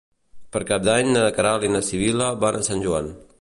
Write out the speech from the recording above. Per Cap d'Any na Queralt i na Sibil·la van a Sant Joan.